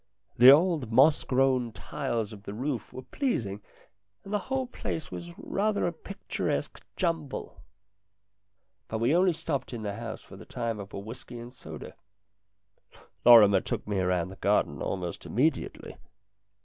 The old 278 STORIES IN GREY moss grown tiles of the roof were pleasing, and the whole place was rather a picturesque jumble. But we only stopped in the house for the time of a whisky and soda. Lorrimer took me round the garden almost immediately.